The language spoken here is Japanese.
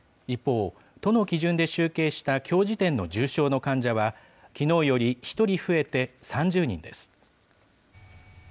一方、都の基準で集計したきょう時点の重症の患者は、きのうより１人増えて３０人です。